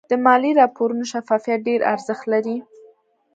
د مالي راپورونو شفافیت ډېر ارزښت لري.